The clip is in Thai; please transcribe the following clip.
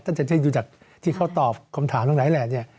ตั้งแต่ที่เขาตอบคำถามตรงไหนแหละเนี่ย